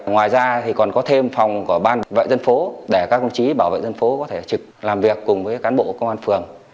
ngoài ra thì còn có thêm phòng của ban vệ dân phố để các công chí bảo vệ dân phố có thể trực làm việc cùng với cán bộ công an phường